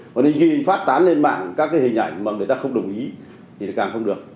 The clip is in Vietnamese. và anh ghi phát tán lên mạng các cái hình ảnh mà người ta không đồng ý thì nó càng không được